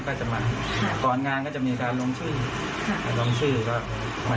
ก็จะมาก่อนงานก็จะมีการลงชื่อลงชื่อก็ไม่